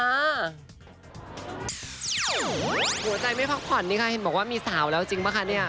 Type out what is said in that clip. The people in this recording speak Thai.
หัวใจไม่พักผ่อนนี่ค่ะเห็นบอกว่ามีสาวแล้วจริงป่ะคะเนี่ย